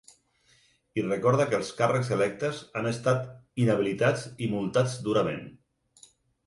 I recorda que els càrrecs electes han estat inhabilitats i multats durament.